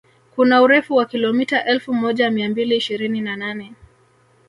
Kuna urefu wa kilomita elfu moja mia mbili ishirini na nane